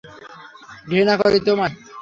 ঘৃণা করি তোমায়!